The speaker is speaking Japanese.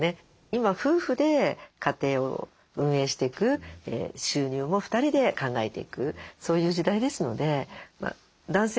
今夫婦で家庭を運営していく収入も２人で考えていくそういう時代ですので男性もね